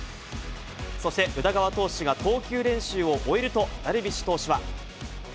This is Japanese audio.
そして、宇田川投手が投球練習を終えると、ダルビッシュ投手は。